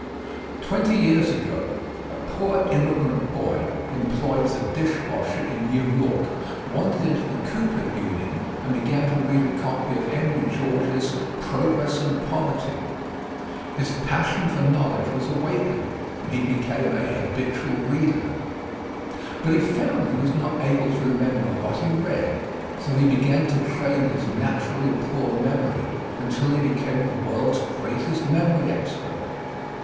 Twenty years ago a poor immigrant boy, employed as a dish washer in New York, wandered into the Cooper Union and began to read a copy of Henry George's "Progress and Poverty." His passion for knowledge was awakened, and he became a habitual reader. But he found that he was not able to remember what he read, so he began to train his naturally poor memory until he became the world's greatest memory expert.